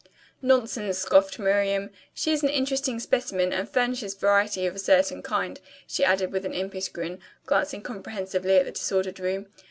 "Nonsense," scoffed Miriam. "She is an interesting specimen, and furnishes variety, of a certain kind," she added with an impish grin, glancing comprehensively at the disordered room.